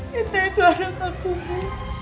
kita itu anak aku bu